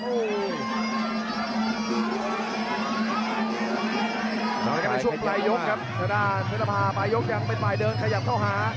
ไปชุดไหลยกครับสดานเมทรภาปายกยกยังค่อยขยับข้าวหา